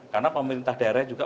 karena pemerintah daerah juga